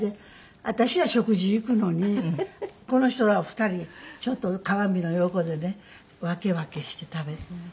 私は食事行くのにこの人らは２人ちょっと鏡の横でね分け分けして食べて。